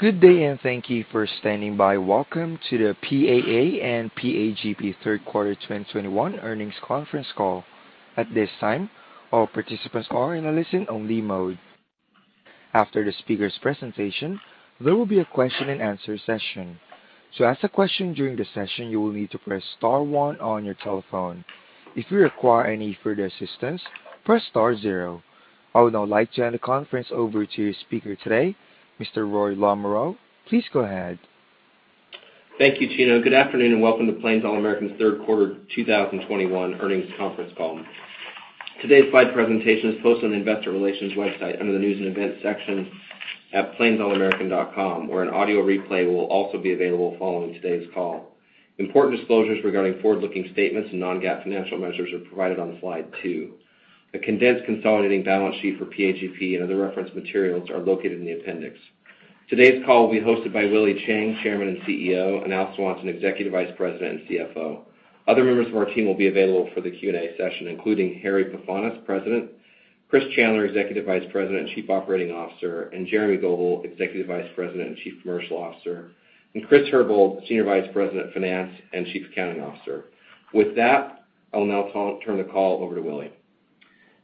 Good day, and thank you for standing by. Welcome to the PAA and PAGP Q3 2021 Earnings Conference Call. At this time, all participants are in a listen-only mode. After the speaker's presentation, there will be a question-and-answer session. To ask a question during the session, you will need to press star one on your telephone. If you require any further assistance, press star zero. I would now like to hand the conference over to your speaker today, Mr. Roy Lamoreaux. Please go ahead. Thank you, Tino. Good afternoon, and welcome to Plains All American's Third Quarter 2021 Earnings Conference Call. Today's slide presentation is posted on the investor relations website under the News and Events section at plainsallamerican.com, where an audio replay will also be available following today's call. Important disclosures regarding forward-looking statements and non-GAAP financial measures are provided on slide two. A condensed consolidated balance sheet for PAGP and other reference materials are located in the appendix. Today's call will be hosted by Willie Chiang, Chairman and CEO, and Al Swanson, Executive Vice President and CFO. Other members of our team will be available for the Q&A session, including Harry Pefanis, President, Chris Chandler, Executive Vice President and Chief Operating Officer, and Jeremy Goebel, Executive Vice President and Chief Commercial Officer, and Chris Herbold, Senior Vice President of Finance and Chief Accounting Officer. With that, I'll now turn the call over to Willie.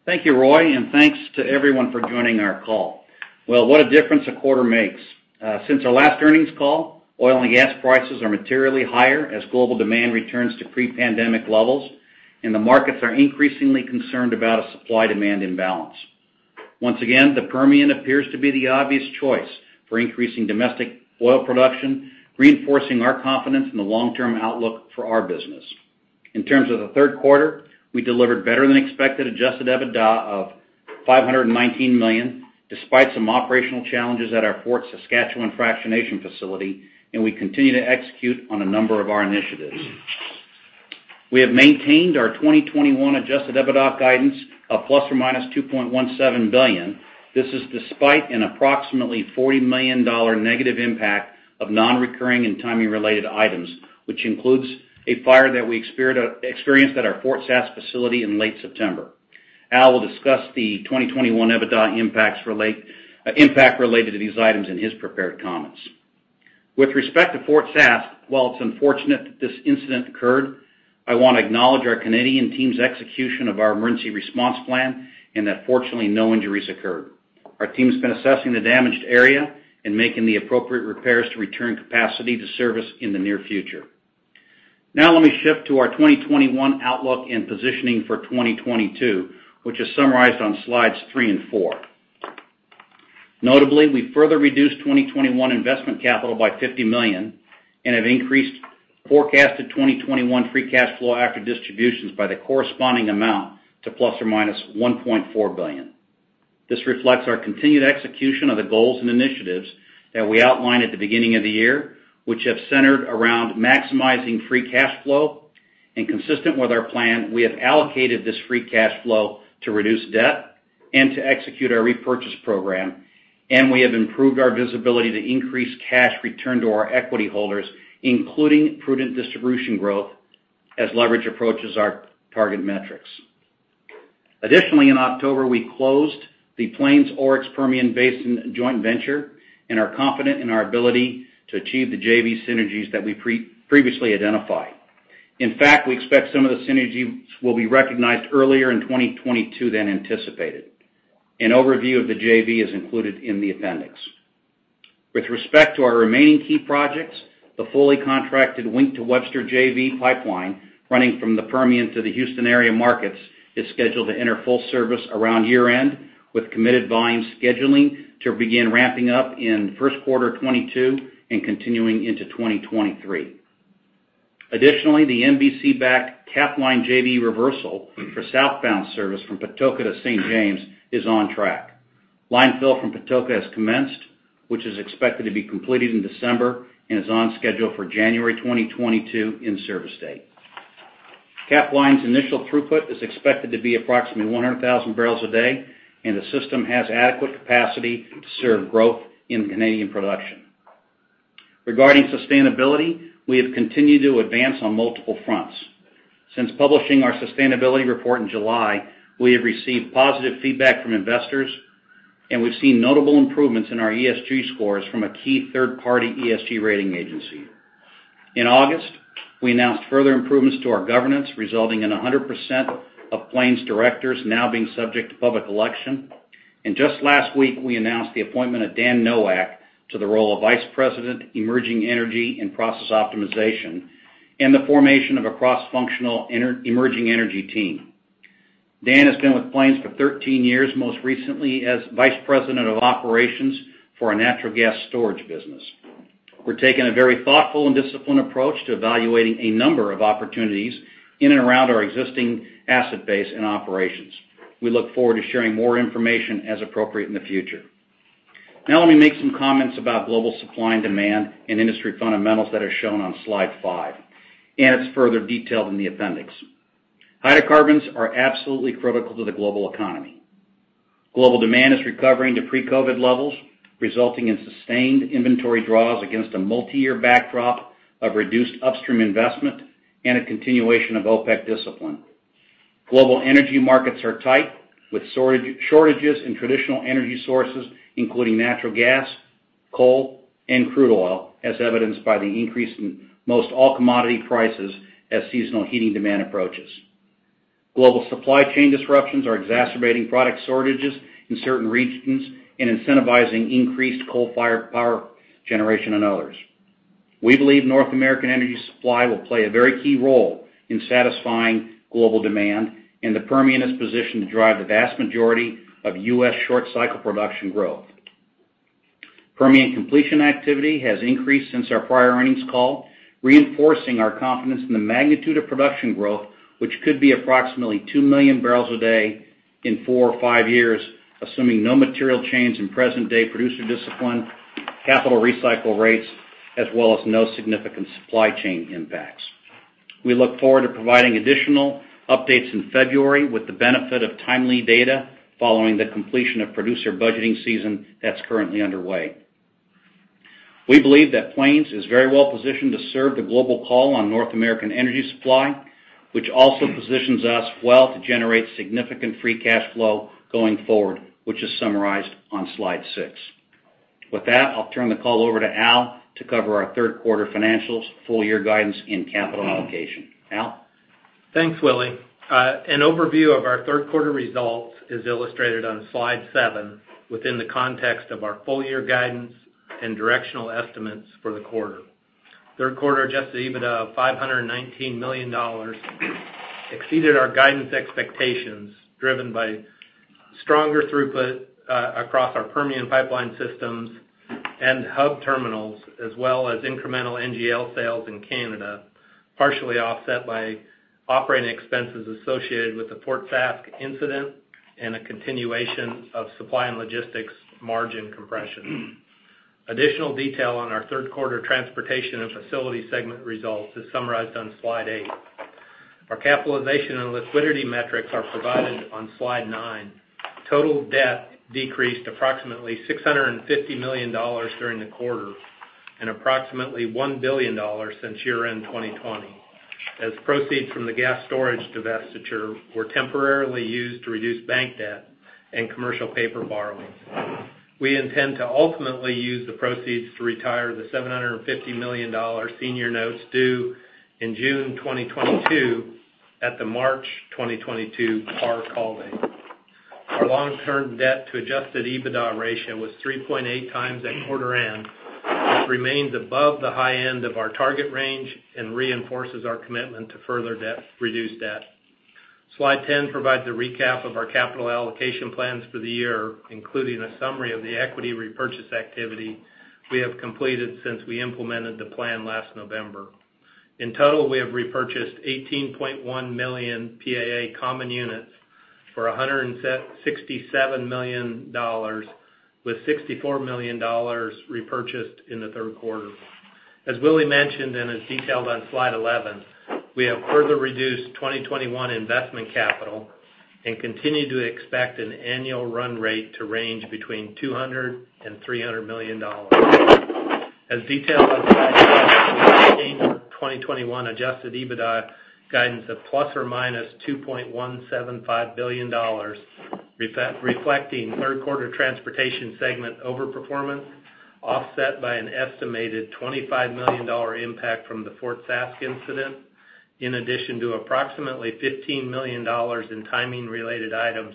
Thank you, Roy, and thanks to everyone for joining our call. Well, what a difference a quarter makes. Since our last earnings call, oil and gas prices are materially higher as global demand returns to pre-pandemic levels, and the markets are increasingly concerned about a supply-demand imbalance. Once again, the Permian appears to be the obvious choice for increasing domestic oil production, reinforcing our confidence in the long-term outlook for our business. In terms of the third quarter, we delivered better-than-expected adjusted EBITDA of $519 million, despite some operational challenges at our Fort Saskatchewan fractionation facility, and we continue to execute on a number of our initiatives. We have maintained our 2021 adjusted EBITDA guidance of ±$2.17 billion. This is despite an approximately $40 million negative impact of non-recurring and timing-related items, which includes a fire that we experienced at our Fort Sask facility in late September. Al will discuss the 2021 EBITDA impacts related to these items in his prepared comments. With respect to Fort Sask, while it's unfortunate that this incident occurred, I wanna acknowledge our Canadian team's execution of our emergency response plan and that fortunately, no injuries occurred. Our team has been assessing the damaged area and making the appropriate repairs to return capacity to service in the near future. Now let me shift to our 2021 outlook and positioning for 2022, which is summarized on slides three and four. Notably, we further reduced 2021 investment capital by $50 million and have increased forecasted 2021 free cash flow after distributions by the corresponding amount to ±$1.4 billion. This reflects our continued execution of the goals and initiatives that we outlined at the beginning of the year, which have centered around maximizing free cash flow. Consistent with our plan, we have allocated this free cash flow to reduce debt and to execute our repurchase program, and we have improved our visibility to increase cash return to our equity holders, including prudent distribution growth as leverage approaches our target metrics. Additionally, in October, we closed the Plains Oryx Permian Basin joint venture and are confident in our ability to achieve the JV synergies that we previously identified. In fact, we expect some of the synergies will be recognized earlier in 2022 than anticipated. An overview of the JV is included in the appendix. With respect to our remaining key projects, the fully contracted Wink-to-Webster JV pipeline running from the Permian to the Houston area markets is scheduled to enter full service around year-end with committed volume scheduling to begin ramping up in first quarter 2022 and continuing into 2023. Additionally, the Capline JV reversal for southbound service from Patoka to St. James is on track. Line fill from Patoka has commenced, which is expected to be completed in December and is on schedule for January 2022 in service date. Capline's initial throughput is expected to be approximately 100,000 barrels a day, and the system has adequate capacity to serve growth in Canadian production. Regarding sustainability, we have continued to advance on multiple fronts. Since publishing our sustainability report in July, we have received positive feedback from investors, and we've seen notable improvements in our ESG scores from a key third-party ESG rating agency. In August, we announced further improvements to our governance, resulting in 100% of Plains directors now being subject to public election. Just last week, we announced the appointment of Dan Noack to the role of Vice President, Emerging Energy and Process Optimization and the formation of a cross-functional emerging energy team. Dan has been with Plains for 13 years, most recently as Vice President of Operations for our natural gas storage business. We're taking a very thoughtful and disciplined approach to evaluating a number of opportunities in and around our existing asset base and operations. We look forward to sharing more information as appropriate in the future. Now let me make some comments about global supply and demand and industry fundamentals that are shown on slide five, and it's further detailed in the appendix. Hydrocarbons are absolutely critical to the global economy. Global demand is recovering to pre-COVID levels, resulting in sustained inventory draws against a multi-year backdrop of reduced upstream investment and a continuation of OPEC discipline. Global energy markets are tight, with shortages in traditional energy sources, including natural gas, coal, and crude oil, as evidenced by the increase in almost all commodity prices as seasonal heating demand approaches. Global supply chain disruptions are exacerbating product shortages in certain regions and incentivizing increased coal-fired power generation and others. We believe North American energy supply will play a very key role in satisfying global demand, and the Permian is positioned to drive the vast majority of U.S. short cycle production growth. Permian completion activity has increased since our prior earnings call, reinforcing our confidence in the magnitude of production growth, which could be approximately 2 million barrels a day in four or five years, assuming no material change in present day producer discipline, capital recycle rates, as well as no significant supply chain impacts. We look forward to providing additional updates in February with the benefit of timely data following the completion of producer budgeting season that's currently underway. We believe that Plains is very well positioned to serve the global call on North American energy supply, which also positions us well to generate significant free cash flow going forward, which is summarized on slide six. With that, I'll turn the call over to Al to cover our third quarter financials, full year guidance, and capital allocation. Al? Thanks, Willie. An overview of our third quarter results is illustrated on slide seven within the context of our full year guidance and directional estimates for the quarter. Third quarter adjusted EBITDA of $519 million exceeded our guidance expectations, driven by stronger throughput across our Permian pipeline systems and hub terminals, as well as incremental NGL sales in Canada, partially offset by operating expenses associated with the Fort Sask incident and a continuation of supply and logistics margin compression. Additional detail on our third quarter transportation and facility segment results is summarized on slide eight. Our capitalization and liquidity metrics are provided on slide nine. Total debt decreased approximately $650 million during the quarter and approximately $1 billion since year-end 2020. As proceeds from the gas storage divestiture were temporarily used to reduce bank debt and commercial paper borrowings. We intend to ultimately use the proceeds to retire the $750 million senior notes due in June 2022 at the March 2022 par call date. Our long-term debt to adjusted EBITDA ratio was 3.8x at quarter end. It remains above the high end of our target range and reinforces our commitment to further reduce debt. Slide 10 provides a recap of our capital allocation plans for the year, including a summary of the equity repurchase activity we have completed since we implemented the plan last November. In total, we have repurchased 18.1 million PAA common units for $167 million with $64 million repurchased in the third quarter. As Willie mentioned, and is detailed on slide 11, we have further reduced 2021 investment capital and continue to expect an annual run rate to range between $200 million and $300 million. As detailed on slide 12, we have maintained our 2021 adjusted EBITDA guidance of ±$2.175 billion, reflecting third quarter transportation segment overperformance, offset by an estimated $25 million impact from the Fort Sask incident, in addition to approximately $15 million in timing-related items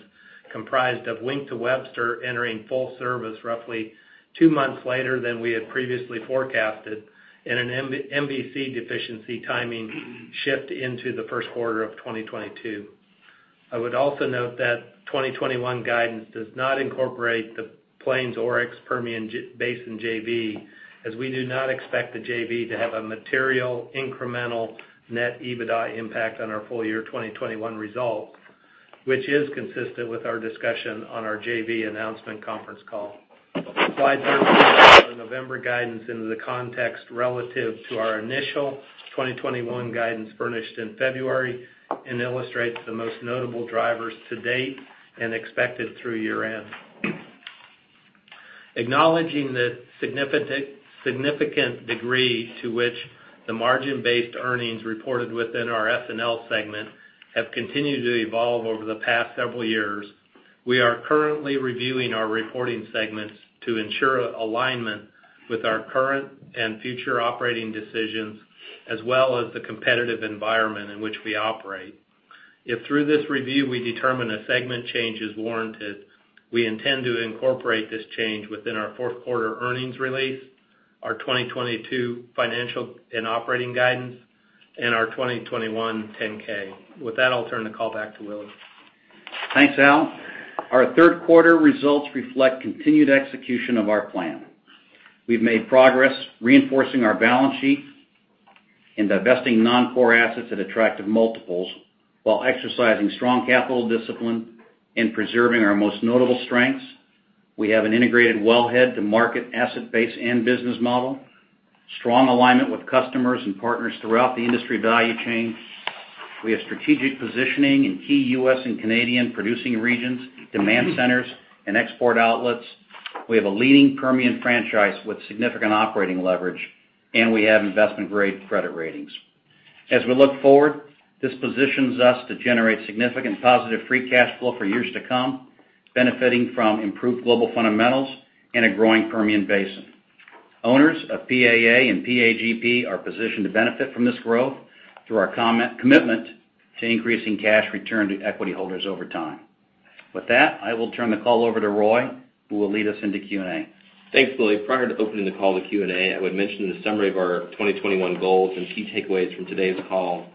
comprised of Wink-to-Webster entering full service roughly two months later than we had previously forecasted, and an MVC deficiency timing shift into the first quarter of 2022. I would also note that 2021 guidance does not incorporate the Plains Oryx Permian Basin JV, as we do not expect the JV to have a material incremental net EBITDA impact on our full year 2021 results, which is consistent with our discussion on our JV announcement conference call. Slide 13 brings our November guidance into the context relative to our initial 2021 guidance furnished in February and illustrates the most notable drivers to date and expected through year-end. Acknowledging the significant degree to which the margin-based earnings reported within our S&L segment have continued to evolve over the past several years, we are currently reviewing our reporting segments to ensure alignment with our current and future operating decisions as well as the competitive environment in which we operate. If through this review we determine a segment change is warranted, we intend to incorporate this change within our fourth quarter earnings release, our 2022 financial and operating guidance, and our 2021 10-K. With that, I'll turn the call back to Willie. Thanks, Al. Our third quarter results reflect continued execution of our plan. We've made progress reinforcing our balance sheet and divesting non-core assets at attractive multiples while exercising strong capital discipline and preserving our most notable strengths. We have an integrated wellhead to market asset base and business model, strong alignment with customers and partners throughout the industry value chain. We have strategic positioning in key U.S. and Canadian producing regions, demand centers, and export outlets. We have a leading Permian franchise with significant operating leverage, and we have investment-grade credit ratings. As we look forward, this positions us to generate significant positive free cash flow for years to come, benefiting from improved global fundamentals and a growing Permian Basin. Owners of PAA and PAGP are positioned to benefit from this growth through our commitment to increasing cash return to equity holders over time. With that, I will turn the call over to Roy, who will lead us into Q&A. Thanks, Willie. Prior to opening the call to Q&A, I would mention the summary of our 2021 goals and key takeaways from today's call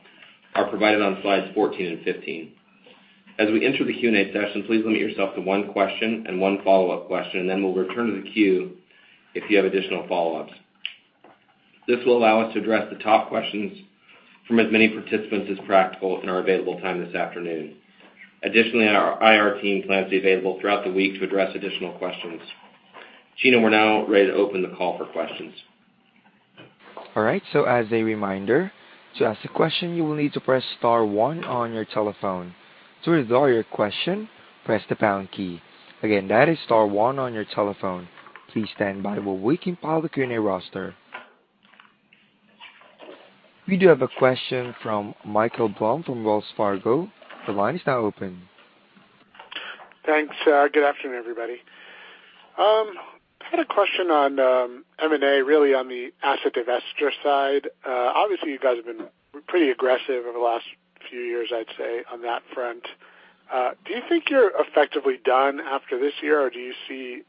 are provided on slides 14 and 15. As we enter the Q&A session, please limit yourself to one question and one follow-up question, and then we'll return to the queue if you have additional follow-ups. This will allow us to address the top questions from as many participants as practical in our available time this afternoon. Additionally, our IR team plans to be available throughout the week to address additional questions. Sheena, we're now ready to open the call for questions. All right. As a reminder, to ask a question, you will need to press star one on your telephone. To withdraw your question, press the pound key. Again, that is star one on your telephone. Please stand by while we compile the Q&A roster. We do have a question from Michael Blum from Wells Fargo. The line is now open. Thanks. Good afternoon, everybody. I had a question on M&A, really on the asset divestiture side. Obviously, you guys have been pretty aggressive over the last few years, I'd say, on that front. Do you think you're effectively done after this year, or do you see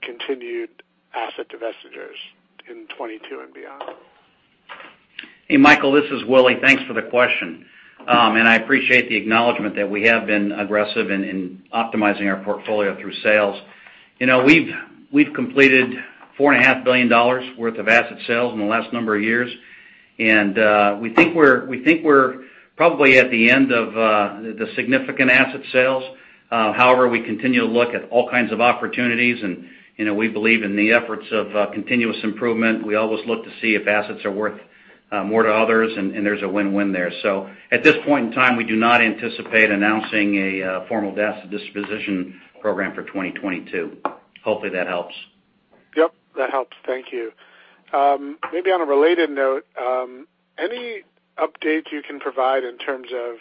continued asset divestitures in 2022 and beyond? Hey, Michael, this is Willie. Thanks for the question. I appreciate the acknowledgment that we have been aggressive in optimizing our portfolio through sales. You know, we've completed $4 and a half billion dollars worth of asset sales in the last number of years, and we think we're probably at the end of the significant asset sales. However, we continue to look at all kinds of opportunities, and you know, we believe in the efforts of continuous improvement. We always look to see if assets are worth more to others, and there's a win-win there. At this point in time, we do not anticipate announcing a formal asset disposition program for 2022. Hopefully, that helps. Yep, that helps. Thank you. Maybe on a related note, any updates you can provide in terms of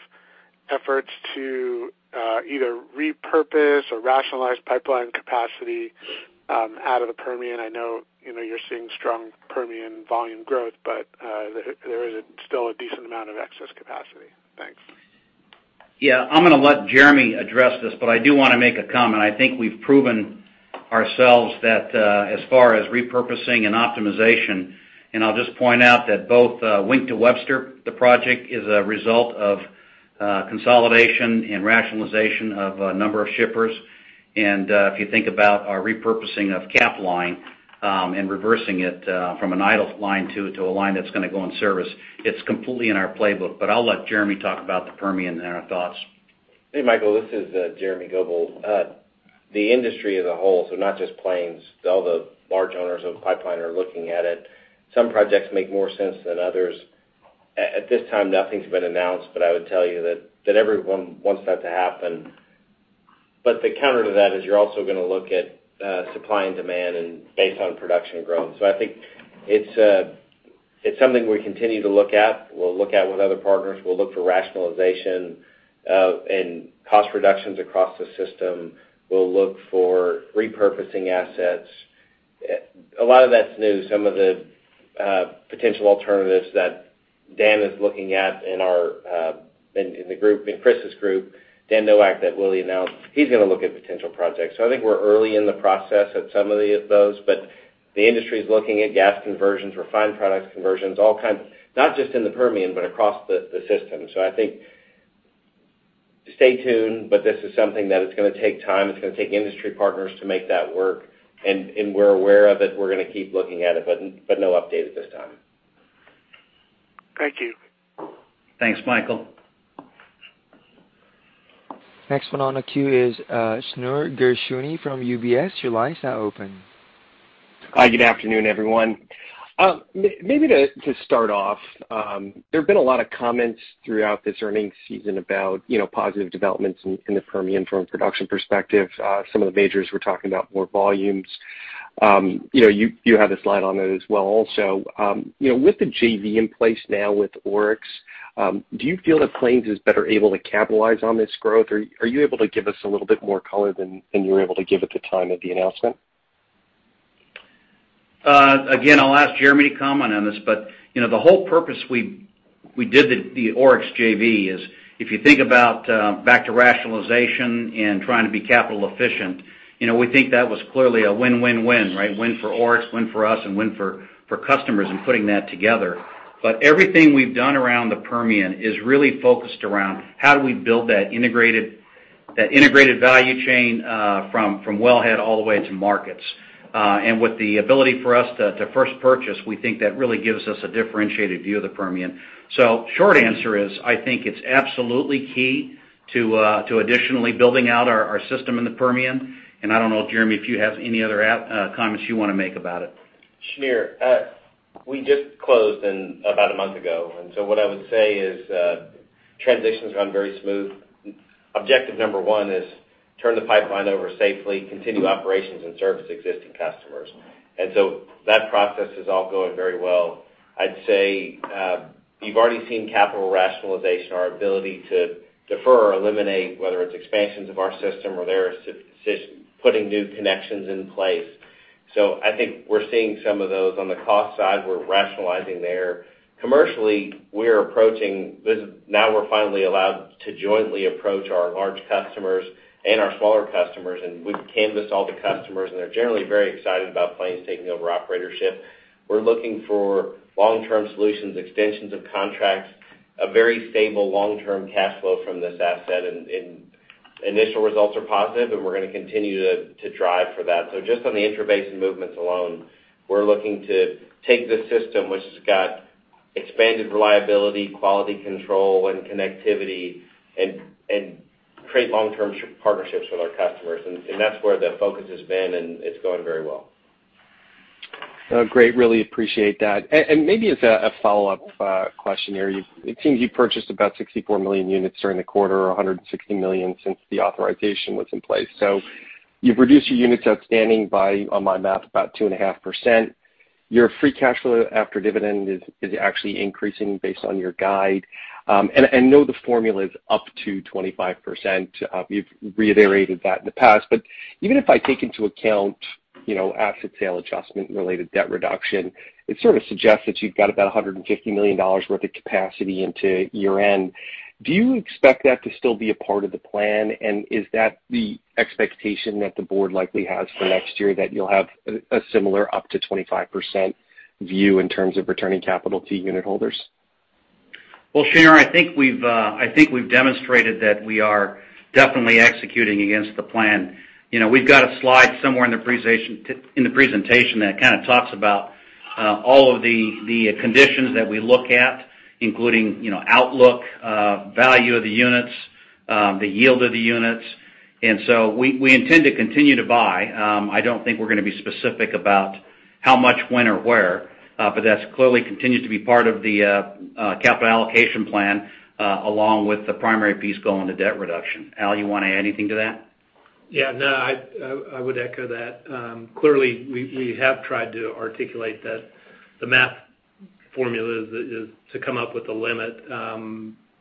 efforts to either repurpose or rationalize pipeline capacity out of the Permian? I know, you know, you're seeing strong Permian volume growth, but there is still a decent amount of excess capacity. Thanks. Yeah. I'm gonna let Jeremy address this, but I do wanna make a comment. I think we've proven ourselves that as far as repurposing and optimization, and I'll just point out that both Wink-to-Webster, the project is a result of consolidation and rationalization of a number of shippers. If you think about our repurposing of Capline and reversing it from an idle line to a line that's gonna go in service, it's completely in our playbook. I'll let Jeremy talk about the Permian and our thoughts. Hey, Michael, this is Jeremy Goebel. The industry as a whole, so not just Plains, all the large owners of pipeline are looking at it. Some projects make more sense than others. At this time, nothing's been announced, but I would tell you that everyone wants that to happen. The counter to that is you're also gonna look at supply and demand and based on production growth. I think it's something we continue to look at. We'll look at with other partners. We'll look for rationalization and cost reductions across the system. We'll look for repurposing assets. A lot of that's new. Some of the potential alternatives that Dan is looking at in our group, in Chris's group, Dan Noack that Willie Chiang announced, he's gonna look at potential projects. I think we're early in the process at some of the, those. The industry's looking at gas conversions, refined products conversions, all kinds, not just in the Permian, but across the system. I think stay tuned, but this is something that it's gonna take time. It's gonna take industry partners to make that work, and we're aware of it. We're gonna keep looking at it, but no update at this time. Thank you. Thanks, Michael. Next one on the queue is Shneur Gershuni from UBS. Your line is now open. Hi. Good afternoon, everyone. Maybe to start off, there have been a lot of comments throughout this earnings season about, you know, positive developments in the Permian from a production perspective. Some of the majors were talking about more volumes. You know, you have a slide on that as well also. You know, with the JV in place now with Oryx, do you feel that Plains is better able to capitalize on this growth? Are you able to give us a little bit more color than you were able to give at the time of the announcement? Again, I'll ask Jeremy to comment on this. You know, the whole purpose we did the Oryx JV is if you think about back to rationalization and trying to be capital efficient. You know, we think that was clearly a win-win-win, right? Win for Oryx, win for us, and win for customers in putting that together. Everything we've done around the Permian is really focused around how do we build that integrated value chain from wellhead all the way to markets. And with the ability for us to first purchase, we think that really gives us a differentiated view of the Permian. Short answer is, I think it's absolutely key to additionally building out our system in the Permian. I don't know, Jeremy, if you have any other comments you wanna make about it. Shneur, we just closed about a month ago. What I would say is, transition's gone very smooth. Objective number one is to turn the pipeline over safely, continue operations and service existing customers. That process is all going very well. I'd say, you've already seen capital rationalization, our ability to defer or eliminate, whether it's expansions of our system or their system putting new connections in place. I think we're seeing some of those. On the cost side, we're rationalizing there. Commercially, we're approaching this. Now we're finally allowed to jointly approach our large customers and our smaller customers, and we've canvassed all the customers, and they're generally very excited about Plains taking over operatorship. We're looking for long-term solutions, extensions of contracts, a very stable long-term cash flow from this asset. Initial results are positive, and we're gonna continue to drive for that. Just on the intrabasin movements alone, we're looking to take the system, which has got expanded reliability, quality control, and connectivity and create long-term partnerships with our customers. That's where the focus has been, and it's going very well. Great. Really appreciate that. Maybe as a follow-up question here. It seems you purchased about 64 million units during the quarter, 160 million since the authorization was in place. You've reduced your units outstanding by, on my math, about 2.5%. Your free cash flow after dividend is actually increasing based on your guide. I know the formula is up to 25%. You've reiterated that in the past. Even if I take into account, you know, asset sale adjustment and related debt reduction, it sort of suggests that you've got about $150 million worth of capacity into year-end. Do you expect that to still be a part of the plan? Is that the expectation that the board likely has for next year, that you'll have a similar up to 25% view in terms of returning capital to unit holders? Well, Shneur, I think we've demonstrated that we are definitely executing against the plan. You know, we've got a slide somewhere in the presentation that kind of talks about all of the conditions that we look at, including, you know, outlook, value of the units, the yield of the units. We intend to continue to buy. I don't think we're gonna be specific about how much, when, or where. That clearly continues to be part of the capital allocation plan, along with the primary piece going to debt reduction. Al, you wanna add anything to that? Yeah, no, I would echo that. Clearly, we have tried to articulate that the math formula is to come up with a limit.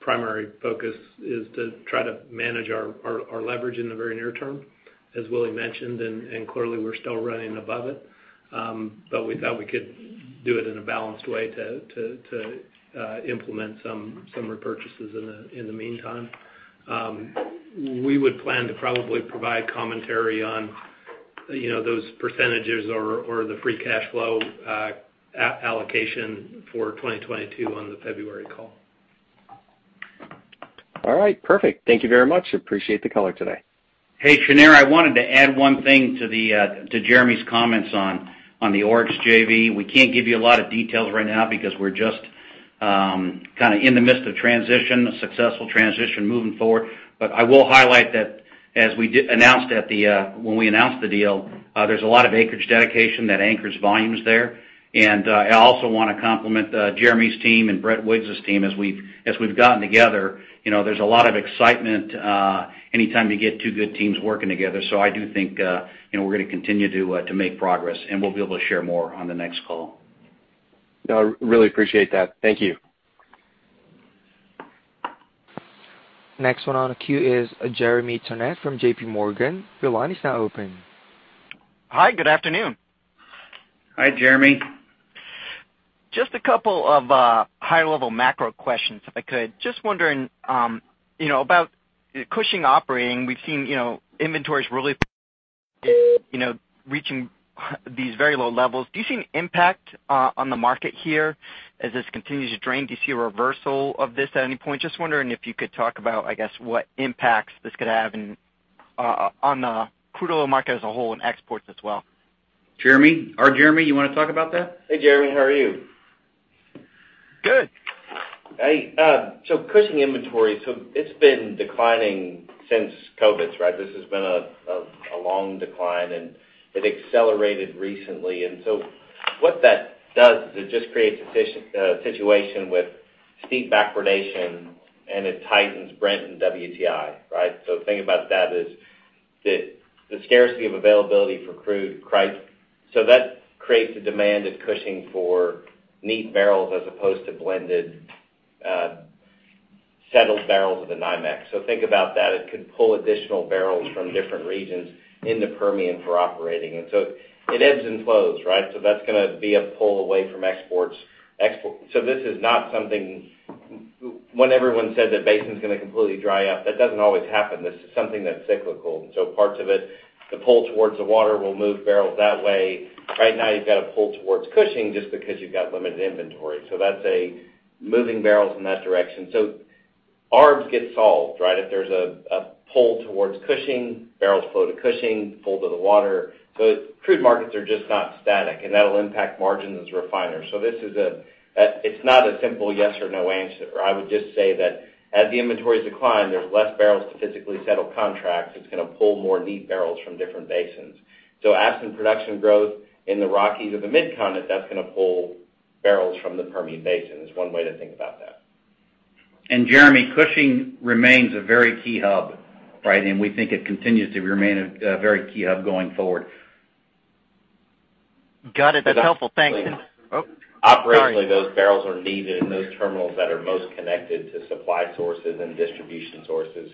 Primary focus is to try to manage our leverage in the very near term, as Willie mentioned. Clearly we're still running above it. But we thought we could do it in a balanced way to implement some repurchases in the meantime. We would plan to probably provide commentary on, you know, those percentages or the free cash flow allocation for 2022 on the February call. All right. Perfect. Thank you very much. Appreciate the color today. Hey, Shneur, I wanted to add one thing to Jeremy's comments on the Oryx JV. We can't give you a lot of details right now because we're just kind of in the midst of transition, a successful transition moving forward. I will highlight that as we announced when we announced the deal, there's a lot of acreage dedication that anchors volumes there. I also wanna compliment Jeremy's team and Brett Wiggs' team as we've gotten together. You know, there's a lot of excitement anytime you get two good teams working together. I do think you know, we're gonna continue to make progress, and we'll be able to share more on the next call. No, I really appreciate that. Thank you. Next one on the queue is Jeremy Tonet from JPMorgan. Your line is now open. Hi, good afternoon. Hi, Jeremy. Just a couple of high-level macro questions, if I could. Just wondering, you know, about Cushing operations. We've seen, you know, inventories really you know, reaching these very low levels. Do you see an impact on the market here as this continues to drain? Do you see a reversal of this at any point? Just wondering if you could talk about, I guess, what impacts this could have on the crude oil market as a whole and exports as well. Jeremy, our Jeremy, you wanna talk about that? Hey, Jeremy. How are you? Good. Hey, Cushing inventory has been declining since COVID, right? This has been a long decline, and it accelerated recently. What that does is it just creates a situation with steep backwardation, and it tightens Brent and WTI, right? The thing about that is the scarcity of availability for crude price. That creates a demand at Cushing for net barrels as opposed to blended, settled barrels of the NYMEX. Think about that. It could pull additional barrels from different regions in the Permian for operating. It ebbs and flows, right? That's gonna be a pull away from exports. This is not something. When everyone said the basin's gonna completely dry up, that doesn't always happen. This is something that's cyclical. Parts of it, the pull towards the water will move barrels that way. Right now you've got a pull towards Cushing just because you've got limited inventory, so that's moving barrels in that direction. ARBs get solved, right? If there's a pull towards Cushing, barrels flow to Cushing, pull to the water. Crude markets are just not static, and that'll impact refiner margins. This is not a simple yes or no answer. I would just say that as the inventories decline, there's less barrels to physically settle contracts. It's gonna pull more net barrels from different basins. Absent production growth in the Rockies or the Mid-Continent, that's gonna pull barrels from the Permian Basin, is one way to think about that. Jeremy, Cushing remains a very key hub, right? We think it continues to remain a very key hub going forward. Got it. That's helpful. Thanks. Oh, sorry. Operationally, those barrels are needed, and those terminals that are most connected to supply sources and distribution sources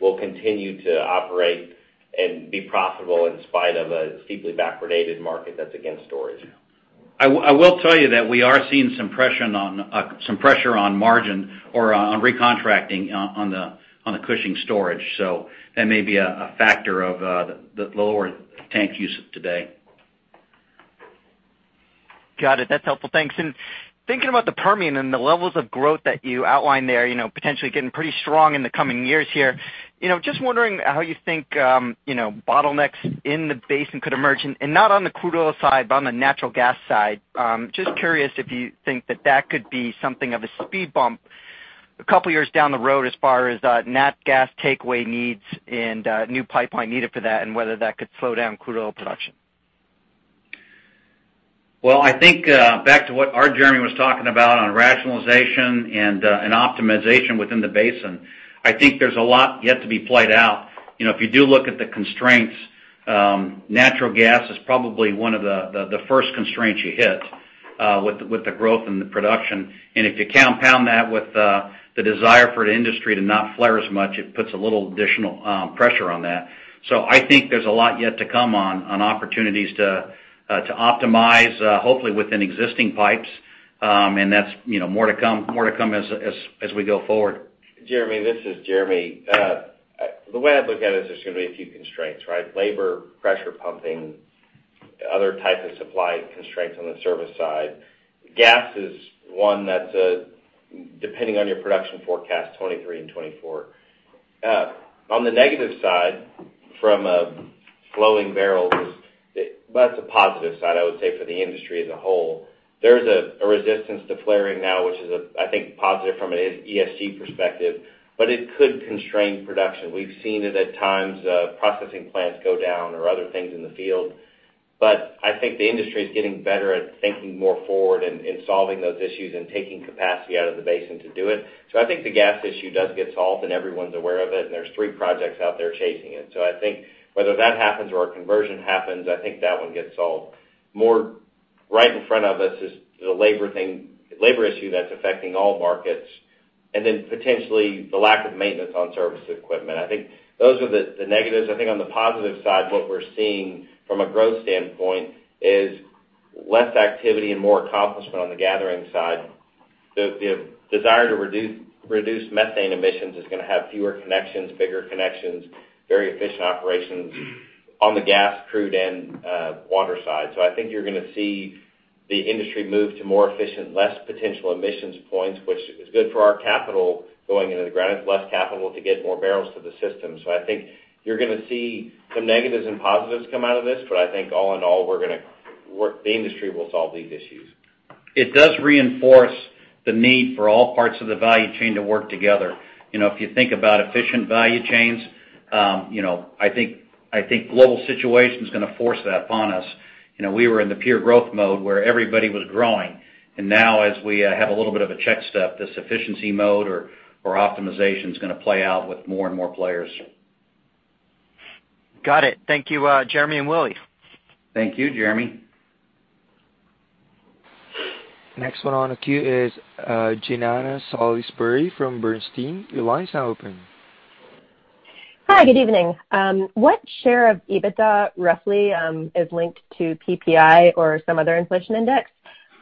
will continue to operate and be profitable in spite of a steeply backwardated market that's against storage. I will tell you that we are seeing some pressure on margin or on recontracting on the Cushing storage. That may be a factor of the lower tank usage today. Got it. That's helpful. Thanks. Thinking about the Permian and the levels of growth that you outlined there, you know, potentially getting pretty strong in the coming years here, you know, just wondering how you think bottlenecks in the Basin could emerge and not on the crude oil side, but on the natural gas side. Just curious if you think that could be something of a speed bump a couple years down the road as far as nat gas takeaway needs and new pipeline needed for that, and whether that could slow down crude oil production. Well, I think back to what our Jeremy was talking about on rationalization and optimization within the basin, I think there's a lot yet to be played out. You know, if you do look at the constraints, natural gas is probably one of the first constraints you hit with the growth in the production. If you compound that with the desire for the industry to not flare as much, it puts a little additional pressure on that. I think there's a lot yet to come on opportunities to optimize, hopefully within existing pipes. That's, you know, more to come as we go forward. Jeremy, this is Jeremy. The way I look at it is there's gonna be a few constraints, right? Labor, pressure pumping, other types of supply constraints on the service side. Gas is one that, depending on your production forecast, 2023 and 2024. On the negative side, from a flowing barrels, that's a positive side, I would say, for the industry as a whole. There's a resistance to flaring now, which is, I think, positive from an ESG perspective, but it could constrain production. We've seen it at times, processing plants go down or other things in the field. I think the industry is getting better at thinking more forward and solving those issues and taking capacity out of the basin to do it. I think the gas issue does get solved, and everyone's aware of it, and there's three projects out there chasing it. I think whether that happens or a conversion happens, I think that one gets solved. More right in front of us is the labor thing, labor issue that's affecting all markets, and then potentially the lack of maintenance on service equipment. I think those are the negatives. I think on the positive side, what we're seeing from a growth standpoint is less activity and more accomplishment on the gathering side. The desire to reduce methane emissions is gonna have fewer connections, bigger connections, very efficient operations on the gas, crude, and water side. I think you're gonna see the industry move to more efficient, less potential emissions points, which is good for our capital going into the ground. It's less capital to get more barrels to the system. I think you're gonna see some negatives and positives come out of this, but I think all in all, the industry will solve these issues. It does reinforce the need for all parts of the value chain to work together. You know, if you think about efficient value chains, you know, I think global situation's gonna force that upon us. You know, we were in the pure growth mode where everybody was growing. Now as we have a little bit of a check step, this efficiency mode or optimization is gonna play out with more and more players. Got it. Thank you, Jeremy and Willie. Thank you, Jeremy. Next one on the queue is, Jean Ann Salisbury from Bernstein. Your line's now open. Hi, good evening. What share of EBITDA roughly is linked to PPI or some other inflation index?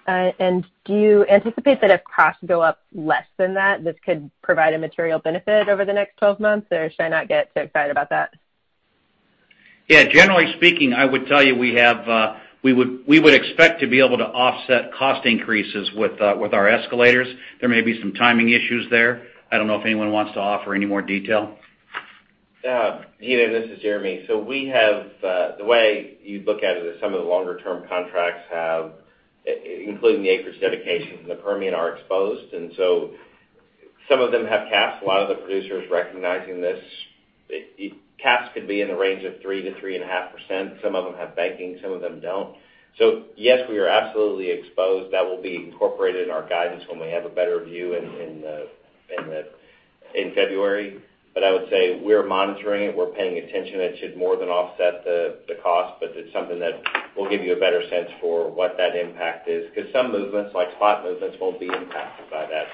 Do you anticipate that if costs go up less than that, this could provide a material benefit over the next 12 months, or should I not get too excited about that? Yeah, generally speaking, I would tell you we would expect to be able to offset cost increases with our escalators. There may be some timing issues there. I don't know if anyone wants to offer any more detail. Yeah. Gianna, this is Jeremy. The way you look at it is some of the longer-term contracts, including the acreage dedication in the Permian, are exposed. Some of them have caps. A lot of the producers are recognizing this. Caps could be in the range of 3%-3.5%. Some of them have banking, some of them don't. Yes, we are absolutely exposed. That will be incorporated in our guidance when we have a better view in February. I would say we're monitoring it. We're paying attention. It should more than offset the cost, but it's something that we'll give you a better sense for what that impact is. 'Cause some movements, like spot movements, won't be impacted by that.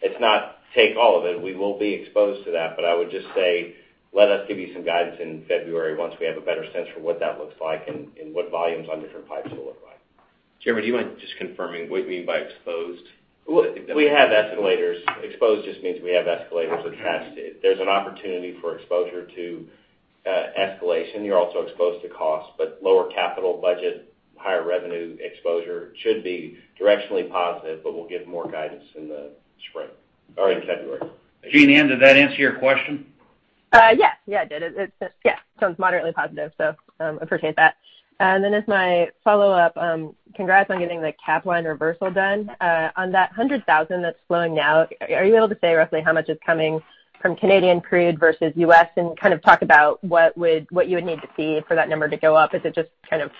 It's not take all of it. We will be exposed to that. I would just say, let us give you some guidance in February once we have a better sense for what that looks like and what volumes on different pipes will look like. Jeremy, do you mind just confirming what you mean by exposed? We have escalators. Exposed just means we have escalators attached to it. There's an opportunity for exposure to escalation. You're also exposed to cost, but lower capital budget, higher revenue exposure should be directionally positive, but we'll give more guidance in the spring or in February. Jean Ann, did that answer your question? Yes. Yeah, it did. It sounds moderately positive, so appreciate that. As my follow-up, congrats on getting the Capline reversal done. On that 100,000 that's flowing now, are you able to say roughly how much is coming from Canadian crude versus U.S.? Kind of talk about what you would need to see for that number to go up. Is it just kind of-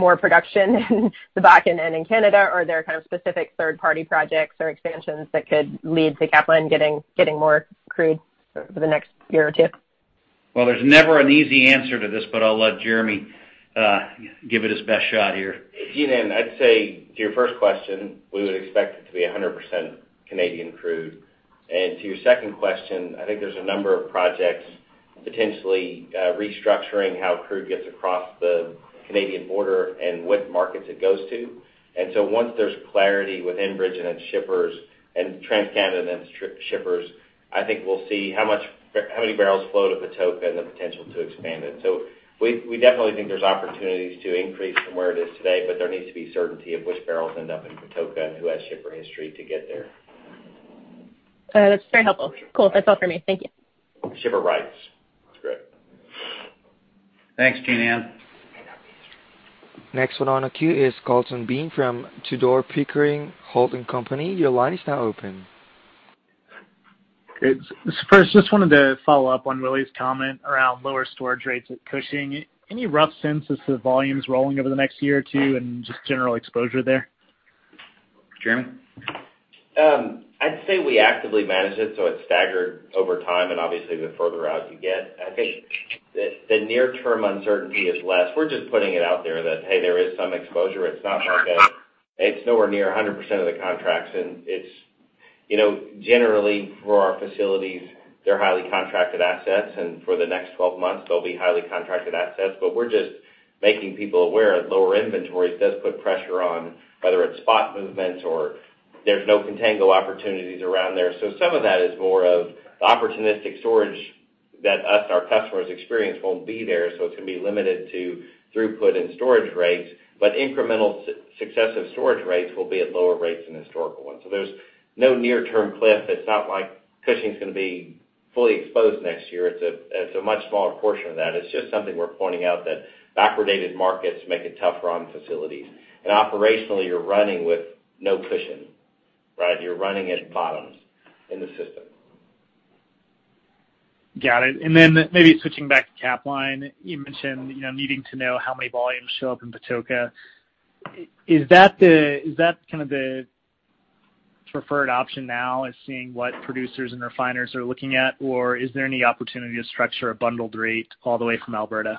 More production in the Bakken and in Canada? Or are there kind of specific third-party projects or expansions that could lead to Capline getting more crude for the next year or two? Well, there's never an easy answer to this, but I'll let Jeremy give it his best shot here. Jean Ann, I'd say to your first question, we would expect it to be 100% Canadian crude. To your second question, I think there's a number of projects potentially restructuring how crude gets across the Canadian border and what markets it goes to. Once there's clarity with Enbridge and its shippers and TransCanada and its shippers, I think we'll see how many barrels flow to Patoka and the potential to expand it. We definitely think there's opportunities to increase from where it is today, but there needs to be certainty of which barrels end up in Patoka and who has shipper history to get there. That's very helpful. Cool. That's all for me. Thank you. Shipper rights. That's great. Thanks, Jean Ann. Next one on the queue is Colton Bean from Tudor, Pickering, Holt & Co. Your line is now open. Great. First, just wanted to follow up on Willie's comment around lower storage rates at Cushing. Any rough sense as to the volumes rolling over the next year or two and just general exposure there? Jeremy? I'd say we actively manage it, so it's staggered over time and obviously the further out you get. I think the near-term uncertainty is less. We're just putting it out there that, hey, there is some exposure. It's not like. It's nowhere near 100% of the contracts. It's, you know, generally, for our facilities, they're highly contracted assets, and for the next 12 months, they'll be highly contracted assets. We're just making people aware that lower inventories does put pressure on whether it's spot movements or there's no contango opportunities around there. Some of that is more of the opportunistic storage that us and our customers experience won't be there, so it's gonna be limited to throughput and storage rates. Incremental successive storage rates will be at lower rates than historical ones. There's no near-term cliff. It's not like Cushing's gonna be fully exposed next year. It's a much smaller portion of that. It's just something we're pointing out that backwardated markets make it tougher on facilities. Operationally, you're running with no cushion, right? You're running at bottoms in the system. Got it. Maybe switching back to Capline. You mentioned, you know, needing to know how many volumes show up in Patoka. Is that kind of the preferred option now is seeing what producers and refiners are looking at, or is there any opportunity to structure a bundled rate all the way from Alberta?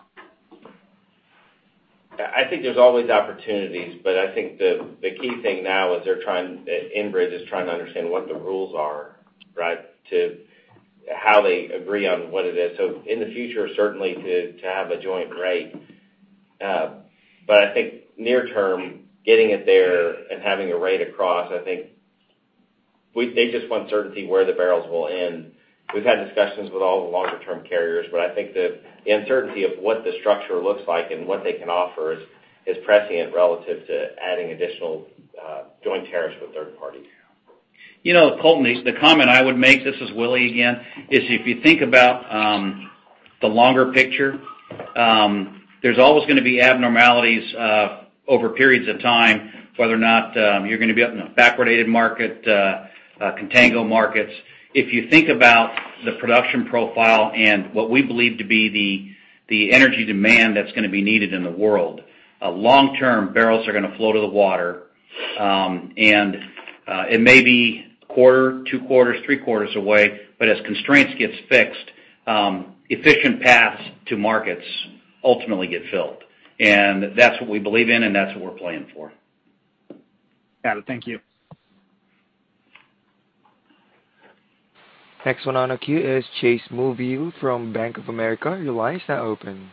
I think there's always opportunities, but I think the key thing now is Enbridge is trying to understand what the rules are, right? To how they agree on what it is. In the future, certainly to have a joint rate. I think near term, getting it there and having a rate across, they just want certainty where the barrels will end. We've had discussions with all the longer term carriers, but I think the uncertainty of what the structure looks like and what they can offer is prescient relative to adding additional joint tariffs with third parties. You know, Colton, the comment I would make, this is Willie again, is if you think about the longer picture, there's always gonna be abnormalities over periods of time, whether or not you're gonna be up in a backwardated market, contango markets. If you think about the production profile and what we believe to be the energy demand that's gonna be needed in the world long term, barrels are gonna flow to the water. It may be a quarter, two quarters, three quarters away, but as constraints gets fixed, efficient paths to markets ultimately get filled. That's what we believe in, and that's what we're planning for. Got it. Thank you. Next one on the queue is Chase Mulvihill from Bank of America. Your line is now open.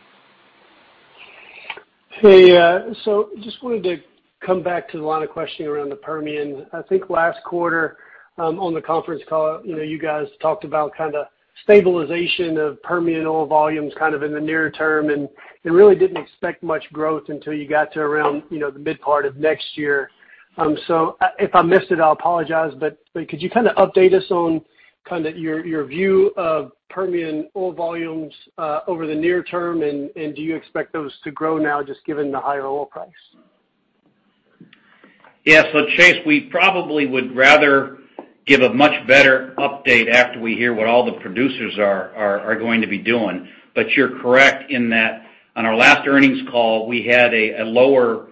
Just wanted to come back to a lot of questioning around the Permian. I think last quarter, on the conference call, you know, you guys talked about kinda stabilization of Permian oil volumes kind of in the near term, and you really didn't expect much growth until you got to around, you know, the mid part of next year. If I missed it, I'll apologize, but could you kinda update us on kinda your view of Permian oil volumes over the near term, and do you expect those to grow now, just given the higher oil price? Yeah, Chase, we probably would rather give a much better update after we hear what all the producers are going to be doing. You're correct in that on our last earnings call, we had a lower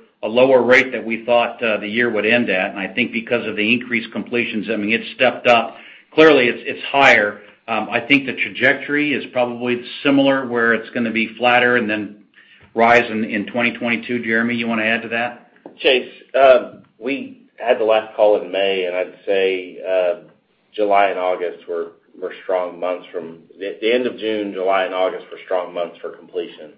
rate that we thought the year would end at. I think because of the increased completions, I mean, it stepped up. Clearly, it's higher. I think the trajectory is probably similar, where it's gonna be flatter and then rise in 2022. Jeremy, you wanna add to that? Chase, we had the last call in May, and I'd say the end of June, July and August were strong months for completion.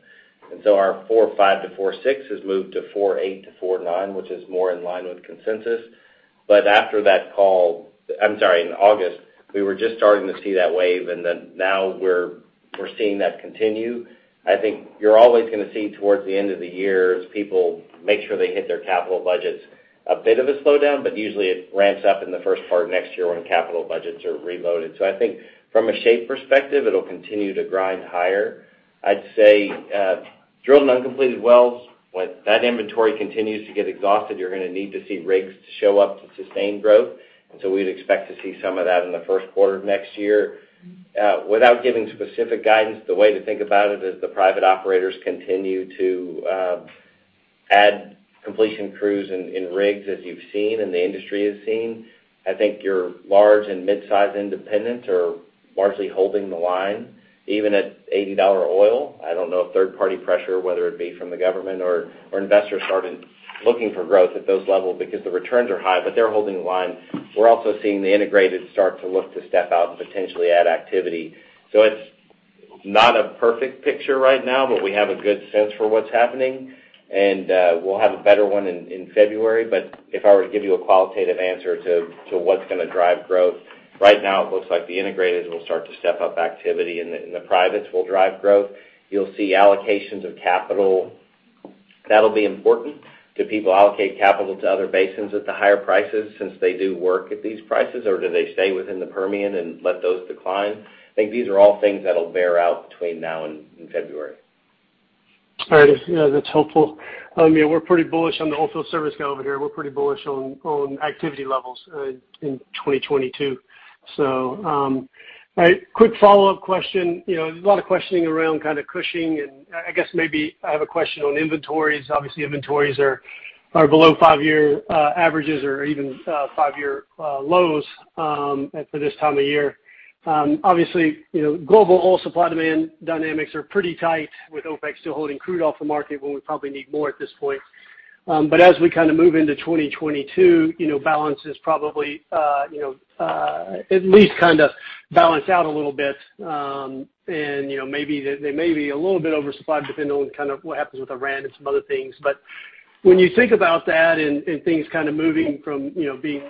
Our 45-46 has moved to 48-49, which is more in line with consensus. I'm sorry, in August, we were just starting to see that wave, and then now we're seeing that continue. I think you're always gonna see towards the end of the year, as people make sure they hit their capital budgets, a bit of a slowdown, but usually it ramps up in the first part of next year when capital budgets are reloaded. I think from a shape perspective, it'll continue to grind higher. I'd say, drilled and uncompleted wells, when that inventory continues to get exhausted, you're gonna need to see rigs show up to sustain growth. We'd expect to see some of that in the first quarter of next year. Without giving specific guidance, the way to think about it is the private operators continue to add completion crews and rigs, as you've seen and the industry has seen. I think your large and mid-size independents are largely holding the line. Even at 80-dollar oil, I don't know if third-party pressure, whether it be from the government or investors starting looking for growth at those levels because the returns are high, but they're holding the line. We're also seeing the integrated start to look to step out and potentially add activity. It's not a perfect picture right now, but we have a good sense for what's happening. We'll have a better one in February. If I were to give you a qualitative answer to what's gonna drive growth, right now it looks like the integrated will start to step up activity and the privates will drive growth. You'll see allocations of capital. That'll be important. Do people allocate capital to other basins at the higher prices since they do work at these prices? Or do they stay within the Permian and let those decline? I think these are all things that'll bear out between now and February. All right. Yeah, that's helpful. I mean, we're pretty bullish on the oilfield service over here. We're pretty bullish on activity levels in 2022. All right. Quick follow-up question. You know, there's a lot of questioning around kind of Cushing, and I guess maybe I have a question on inventories. Obviously, inventories are below five-year averages or even five-year lows at for this time of year. Obviously, you know, global oil supply-demand dynamics are pretty tight with OPEC still holding crude off the market when we probably need more at this point. As we kind of move into 2022, you know, balance is probably you know at least kind of balance out a little bit. You know, maybe they may be a little bit oversupplied depending on kind of what happens with Iran and some other things. When you think about that and things kind of moving from, you know, being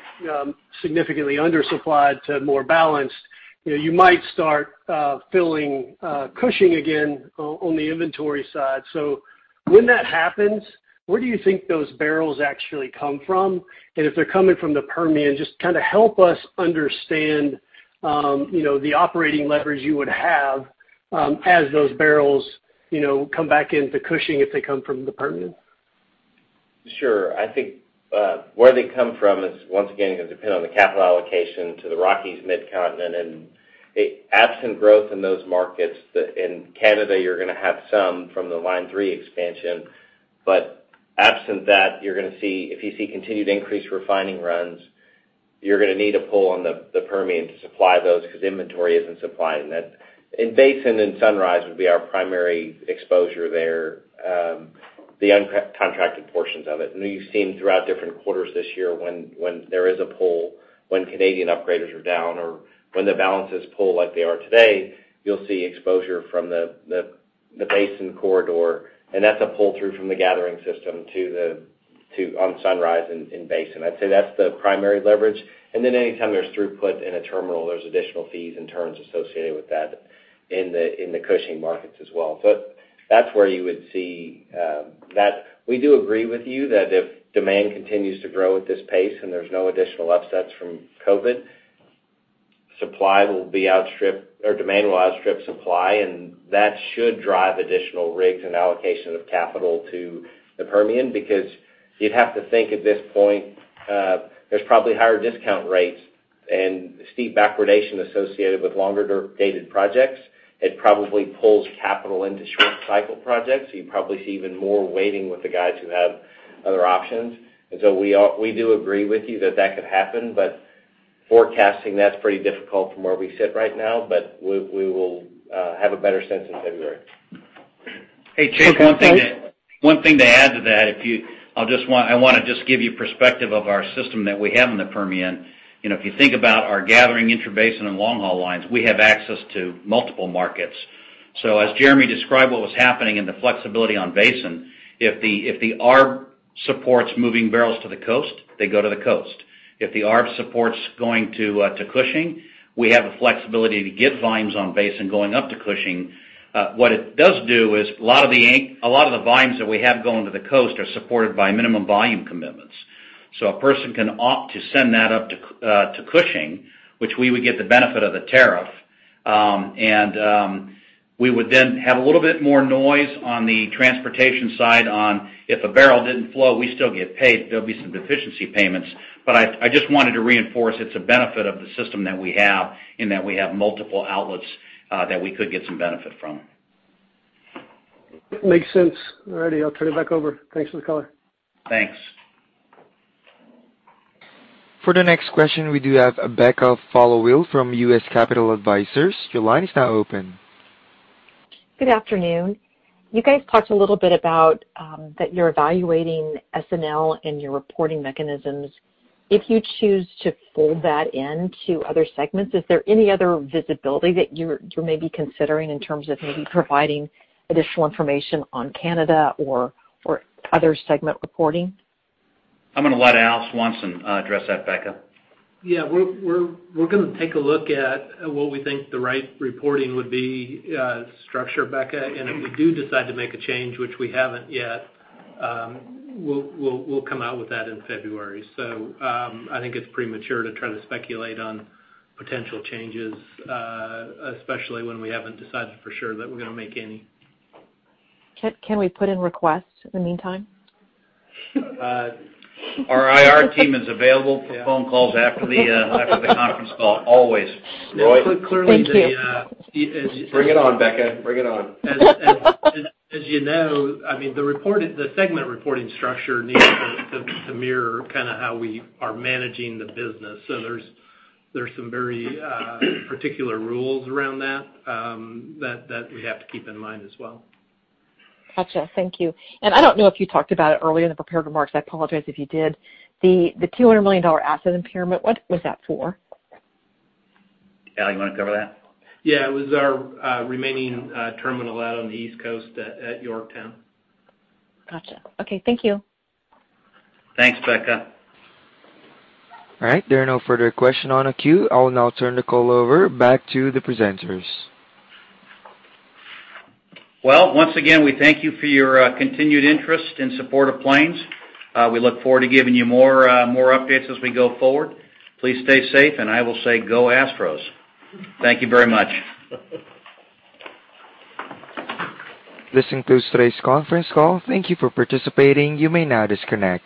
significantly undersupplied to more balanced, you know, you might start filling Cushing again on the inventory side. When that happens, where do you think those barrels actually come from? If they're coming from the Permian, just kind of help us understand, you know, the operating leverage you would have, as those barrels, you know, come back into Cushing if they come from the Permian. Sure. I think where they come from is, once again, gonna depend on the capital allocation to the Rockies Midcontinent. Absent growth in those markets, in Canada, you're gonna have some from the Line 3 expansion. Absent that, you're gonna see, if you see continued increased refining runs, you're gonna need to pull on the Permian to supply those because inventory isn't supplying that. Basin and Sunrise would be our primary exposure there, the uncontracted portions of it. I know you've seen throughout different quarters this year when there is a pull, when Canadian upgraders are down or when the balances pull like they are today, you'll see exposure from the Basin corridor, and that's a pull-through from the gathering system to the Sunrise in Basin. I'd say that's the primary leverage. Then anytime there's throughput in a terminal, there's additional fees and terms associated with that in the Cushing markets as well. That's where you would see that. We do agree with you that if demand continues to grow at this pace and there's no additional upsets from COVID, demand will outstrip supply, and that should drive additional rigs and allocation of capital to the Permian because you'd have to think at this point, there's probably higher discount rates and steep backwardation associated with longer der-dated projects. It probably pulls capital into short cycle projects. You probably see even more waiting with the guys who have other options. We do agree with you that that could happen, but forecasting, that's pretty difficult from where we sit right now. We will have a better sense in February. Hey, Jeremy. One thing to add to that. I wanna just give you perspective of our system that we have in the Permian. You know, if you think about our gathering intrabasin and long-haul lines, we have access to multiple markets. As Jeremy described what was happening in the flexibility in-basin, if the arb supports moving barrels to the coast, they go to the coast. If the arb supports going to Cushing, we have the flexibility to get volumes in-basin going up to Cushing. What it does do is a lot of the volumes that we have going to the coast are supported by minimum volume commitments. A person can opt to send that up to Cushing, which we would get the benefit of the tariff, and we would then have a little bit more noise on the transportation side on if a barrel didn't flow, we still get paid. There'll be some deficiency payments. I just wanted to reinforce it's a benefit of the system that we have in that we have multiple outlets, that we could get some benefit from. Makes sense. All righty. I'll turn it back over. Thanks for the color. Thanks. For the next question, we do have Becca Followill from U.S. Capital Advisors. Your line is now open. Good afternoon. You guys talked a little bit about that you're evaluating S&L and your reporting mechanisms. If you choose to fold that into other segments, is there any other visibility that you're maybe considering in terms of maybe providing additional information on Canada or other segment reporting? I'm gonna let Al Swanson address that, Becca. Yeah. We're gonna take a look at what we think the right reporting would be, structure, Becca. If we do decide to make a change, which we haven't yet, we'll come out with that in February. I think it's premature to try to speculate on potential changes, especially when we haven't decided for sure that we're gonna make any. Can we put in requests in the meantime? Our IR team is available. Yeah. for phone calls after the conference call always. Roy? Thank you. Bring it on, Becca. Bring it on. As you know, I mean, the segment reporting structure needs to mirror kind of how we are managing the business. So there's some very particular rules around that we have to keep in mind as well. Gotcha. Thank you. I don't know if you talked about it earlier in the prepared remarks, I apologize if you did. The $200 million asset impairment, what was that for? Al, you wanna cover that? Yeah. It was our remaining terminal out on the East Coast at Yorktown. Gotcha. Okay. Thank you. Thanks, Becca. All right. There are no further questions on the queue. I will now turn the call back over to the presenters. Well, once again, we thank you for your continued interest in support of Plains. We look forward to giving you more updates as we go forward. Please stay safe, and I will say go Astros. Thank you very much. This concludes today's conference call. Thank you for participating. You may now disconnect.